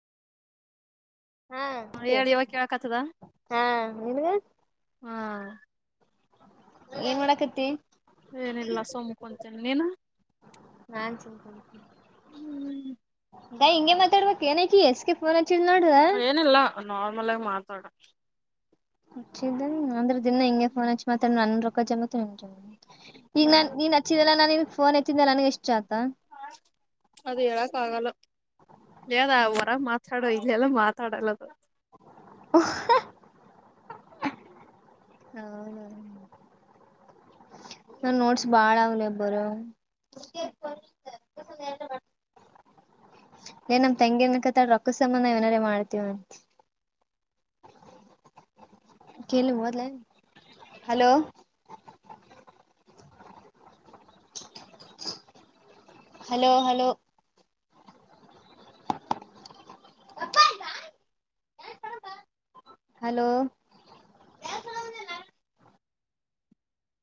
ಹಾ ಹ್ಮ್ ಹೇಳ ಇವಾಗ ಕೇಳಕ್ತದ ಹಾ ನಿನ್ಗ ಹಾ. ಏನ್ ಮಾಡಾಕತ್ತಿ. ಏನಿಲ್ಲ ಸುಮ ಕುಂತಿನಿ ನೀನ. ನಾನ್ ಸುಮ್ ಕುಂತಿನಿ. ಹ್ಮ್ ದಾ ಹಿಂಗೆ ಮಾತಾಡ್ಬೇಕು ಏನ ಇಕಿ ಎಸ್ತಿ ಫೋನ್ ಹಚ್ಚಿಲ್ ನೋಡ್ ಆ ಏನಿಲ್ಲ ನಾರ್ಮಲ್ ಆಗ ಮಾತಾಡ. ಹಚ್ಚಿದ ಅಂದ್ರ ದಿನ್ನ ಹಿಂಗೆ ಫೋನ್ ಹಚ್ಚಿ ಮಾತಡ್ ನನ್ನ ರೊಕ್ಕ ಜಮತ್ [unintelligible] ಈಗ ಹ್ಮ್ ನನ್ ನೀನ್ ಹ ಹೆಚ್ಚಿದಲ್ಲ ನಾ ನೀನ್ ಫೋನ್ ಎತ್ತಿದ್ದಲ್ಲ ನನಗ ಎಷ್ಟ ಆತಾ ಅದು ಹೇಳಕ ಆಗಲ ಹೇಳ್ದ ಹೊರಗ ಮಾತ್ ಚಡ ಇಲ್ಲೆಲ್ಲ ಮಾತಾಡಲ್ಲದು. ಹ ಹೌದ. ನನ್ ನೋಟ್ಸ್ ಬಾಳ್ ಆವ್ ಲೆ ಬರ್ಯವ. ಏ ನಮ್ ತಂಗಿ ಎನ್ ಅನುಕತಳ ರೊಕ್ಕದ ಸಂಬಂದ ನಾವ ಏನರೆ ಮಾಡ್ತೀವಂತ. ಕೇಳು ಹೊದ್ಲೇ ಹಲೋ. Hello hello [unintelligible] hello